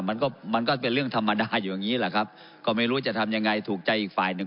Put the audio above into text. มันก็มันก็เป็นเรื่องธรรมดาอยู่อย่างงี้แหละครับก็ไม่รู้จะทำยังไงถูกใจอีกฝ่ายหนึ่ง